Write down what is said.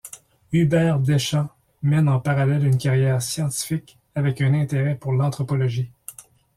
Hubert Deschamps mène en parallèle une carrière scientifique, avec un intérêt pour l'anthropologie.